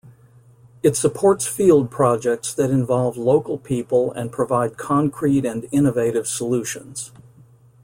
It supports field projects that involve local people and provide concrete and innovative solutions.